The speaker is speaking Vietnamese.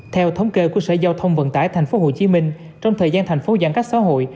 theo thống kê của sở giao thông vận tải tp hcm trong thời gian thành phố giãn cách xã hội